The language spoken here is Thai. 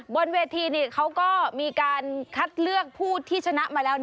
บนเวทีเขาก็มีการคัดเลือกผู้ที่ชนะมาแล้ว